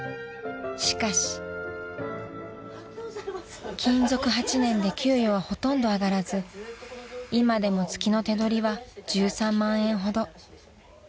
［しかし］［勤続８年で給与はほとんど上がらず今でも月の手取りは１３万円ほど］